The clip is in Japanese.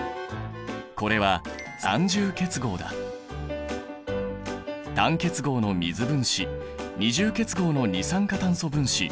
これは単結合の水分子二重結合の二酸化炭素分子